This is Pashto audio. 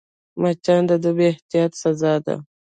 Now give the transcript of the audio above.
مچان د بې احتیاطۍ سزا ده